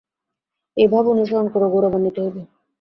এই ভাব অনুসরণ কর, গৌরবান্বিত হইবে।